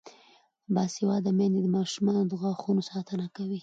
باسواده میندې د ماشومانو د غاښونو ساتنه کوي.